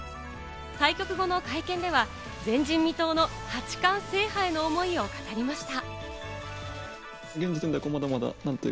対局後の会見では、前人未到の八冠制覇への思いを語りました。